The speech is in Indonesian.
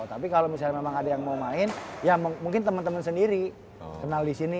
tapi kalo misalnya memang ada yang mau main ya mungkin temen temen sendiri kenal disini